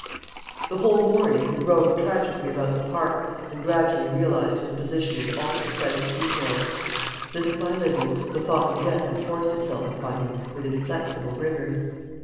The whole morning, he roamed tragically about the park and gradually realized his position in all its slightest details. Little by little, the thought of death enforced itself upon him with inflexible rigor.